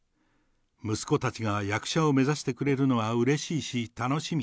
息子たちが役者を目指してくれるのはうれしいし、楽しみ。